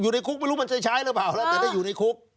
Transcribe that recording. ในคุกไม่รู้มันจะใช้หรือเปล่าแล้วจะได้อยู่ในคุก